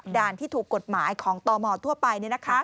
ด่านที่ถูกกฎหมายของตมทั่วไป